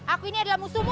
aku ini adalah musuhmu